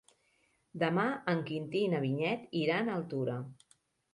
Demà en Quintí i na Vinyet iran a Altura.